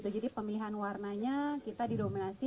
jadi pemilihan warnanya kita didominasi